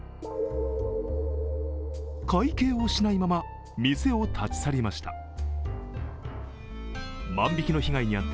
会計をしないまま、店を立ち去りました。